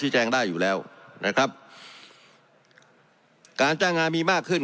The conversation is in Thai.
แจ้งได้อยู่แล้วนะครับการจ้างงานมีมากขึ้น